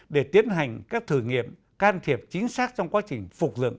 để tiến hành các thử nghiệm can thiệp chính xác trong quá trình phục dựng